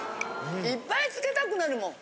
いっぱいつけたくなるもん。